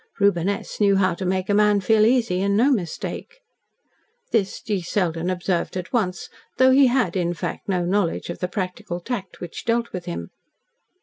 Reuben S. knew how to make a man feel easy, and no mistake. This G. Selden observed at once, though he had, in fact, no knowledge of the practical tact which dealt with him.